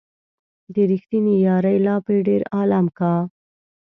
د ريښتينې يارۍ لاپې ډېر عالم کا